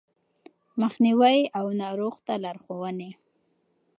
مخنيوی او ناروغ ته لارښوونې